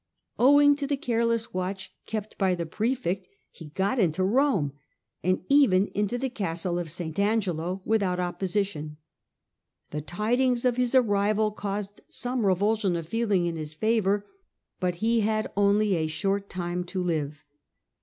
Owing to the careless watch kept by the prefect, he got into Rome, and even into the castle of St. Angelo, without opposition. The tidings of his arrival caused some Death o£ rcvulsion of feeling in his favour ; but he had Pascal, ins Qjjy ^ short time to live.